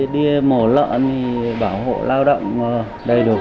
đi mổ lợn bảo hộ lao động đầy đủ